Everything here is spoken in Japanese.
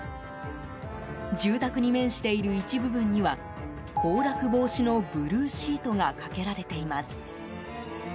住宅に面している一部分には崩落防止のブルーシートがかけられています。